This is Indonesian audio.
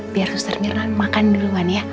biar suster nyerang makan duluan ya